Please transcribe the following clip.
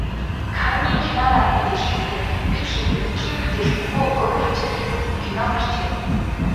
Каннын кино наадмын дэлгэцнээ "Бид хэд" нэгдлийн бүтээл "Хөхөө" богино хэмжээний кино гарчээ.